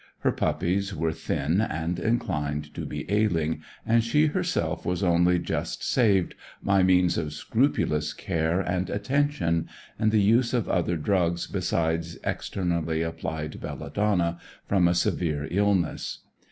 Her puppies were thin and inclined to be ailing, and she herself was only just saved, by means of scrupulous care and attention, and the use of other drugs besides externally applied belladonna, from a severe illness.